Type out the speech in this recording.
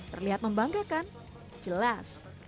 terlihat membanggakan jelas